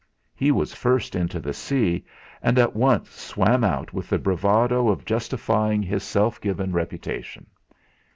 He was first into the sea, and at once swam out with the bravado of justifying his self given reputation.